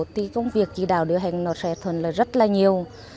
thì công việc chỉ đào điều hành nó sẽ thuần lợi rất là nhiều